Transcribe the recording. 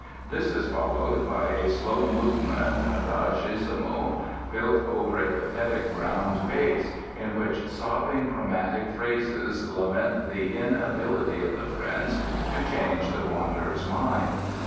This is followed by a slow movement, Adagissimo, built over a pathetic ground bass, in which sobbing chromatic phrases lament the inability of the friends to change the wanderer's mind.